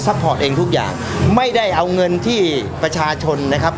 พอร์ตเองทุกอย่างไม่ได้เอาเงินที่ประชาชนนะครับ